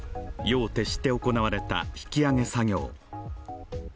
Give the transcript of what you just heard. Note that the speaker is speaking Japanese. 夜を徹して行われた引き揚げ作業。